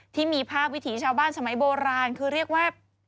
ที่มีภาพวิถีชาวบ้านสมัยโบราณคือเรียกว่า